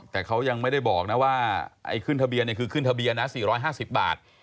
แต่เขายังไม่ได้บอกนะว่าไอ้ขึ้นทะเบียนคือขึ้นทะเบียนนะ๔๕๐บาท